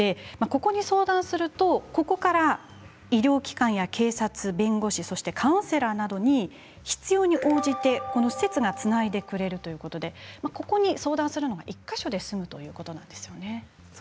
ここに相談するとここから医療機関や警察弁護士そしてカウンセラーなどに必要に応じて施設がつないでくれるということでここに相談すれば１か所で済むということですね。